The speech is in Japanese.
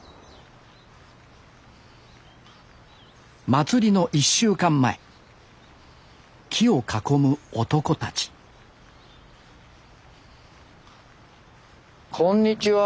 祭りの１週間前木を囲む男たちこんにちは。